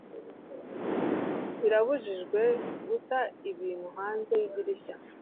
birabujijwe guta ibintu hanze yidirishya